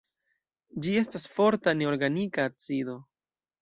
Ĝi estas forta neorganika acido.